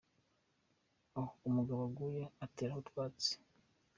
Aho umugabo aguye uteraho utwatsi.